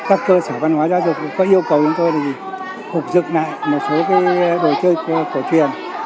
các cơ sở văn hóa giáo dục có yêu cầu chúng tôi là gì phục dựng lại một số cái đồ chơi cổ truyền